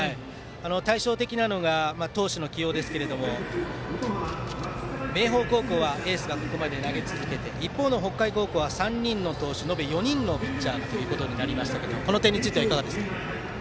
対照的なのが投手起用ですが明豊高校はエースがここまで投げ続けて一方の北海高校は３人の投手延べ４人のピッチャーとなりましたがこの点についてはいかがですか？